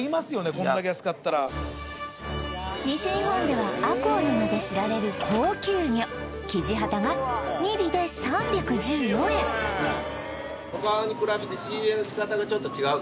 こんだけ安かったら西日本ではアコウの名で知られる高級魚キジハタが２尾で３１４円仕入れの仕方が違う？